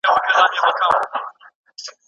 په دولسم ټولګي کي مې له کتابتون څخه ګټه واخیسته.